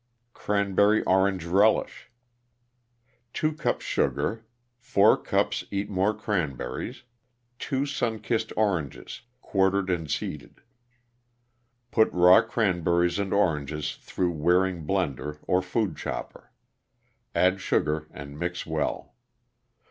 Cranberry Orange Relish 2 cups sugar 4 cups Eatmor Cranberries (one bag or box) 2 Sunkist oranges, quartered and seeded Put raw cranberries and oranges through Waring Blendor or food chopper. Add sugar and mix well.